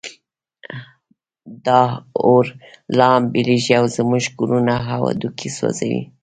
دا اور لا هم بلېږي او زموږ کورونه او هډوکي سوځوي.